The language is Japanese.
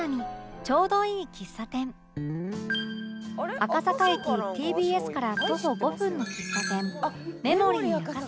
赤坂駅 ＴＢＳ から徒歩５分の喫茶店メモリー赤坂